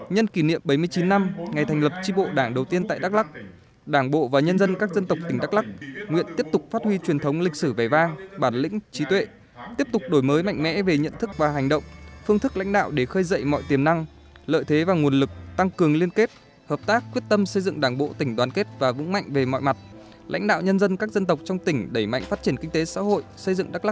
nhân kỷ niệm bảy mươi chín năm ngày thành lập tri bộ đảng đầu tiên tại đắk lắc đảng bộ và nhân dân các dân tộc tỉnh đắk lắc nguyện tiếp tục phát huy truyền thống lịch sử vẻ vang bản lĩnh trí tuệ tiếp tục đổi mới mạnh mẽ về nhận thức và hành động phương thức lãnh đạo để khơi dậy mọi tiềm năng lợi thế và nguồn lực tăng cường liên kết hợp tác quyết tâm xây dựng đảng bộ tỉnh đoàn kết và vũng mạnh về mọi mặt lãnh đạo nhân dân các dân tộc trong tỉnh đẩy mạnh phát triển kinh tế xã hội x